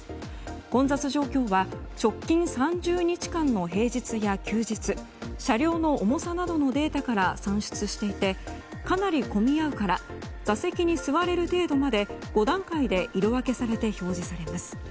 混雑状況は直近３０日間の平日や休日車両の重さなどのデータから算出していてかなり混み合うから座席に座れる程度まで５段階で色分けされて表示されます。